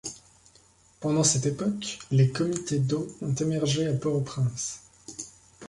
Pendant cette époque les comités d’eau ont émergé à Port-au-Prince.